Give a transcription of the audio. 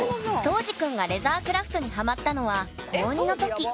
そうじくんがレザークラフトにハマったのは高２の時。